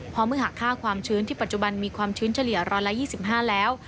เพราะเมื่อหากค่าความชื้นที่ปัจจุบันมีความชื้นเฉลี่ย๑๒๕แล้ว